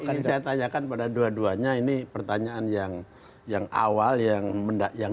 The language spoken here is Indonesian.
akan saya tanyakan pada dua duanya ini pertanyaan yang awal yang mendak yang